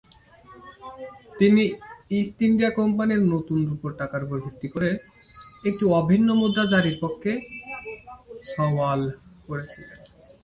তিনি East India কোম্পানির নতুন রুপোর টাকার উপর ভিত্তি করে একটি অভিন্ন মুদ্রা জারির পক্ষে সওয়াল করেছিলেন।